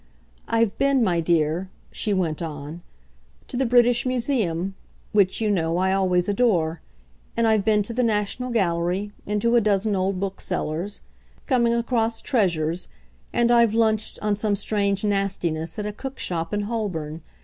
I've been, my dear," she went on, "to the British Museum which, you know, I always adore. And I've been to the National Gallery, and to a dozen old booksellers', coming across treasures, and I've lunched, on some strange nastiness, at a cookshop in Holborn.